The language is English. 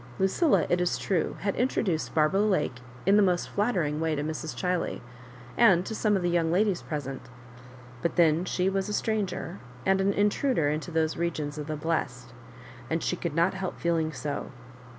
Lucilla, it is tme, had introduced Barbara Lake in the most flattering way to Mrs. Chiley, and to some of the young ladies present : but then she was a stranger, and an intmder into those regions of the blest, and she could not help fee ing so.